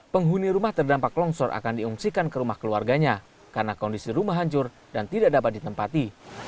penghuni rumah terdampak longsor akan diungsikan ke rumah keluarganya karena kondisi rumah hancur dan tidak dapat ditempati